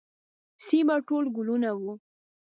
سیمه ټول ګلونه وه.